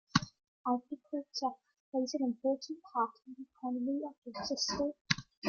Agriculture plays an important part in the economy of Rochester.